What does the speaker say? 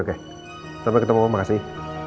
oke sampai ketemu makasih